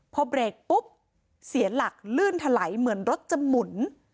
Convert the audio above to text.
พอเบรกปุ๊บเสียหลักลื่นถลายเหมือนรถจะหมุน